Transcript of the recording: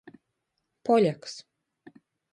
Poļaks.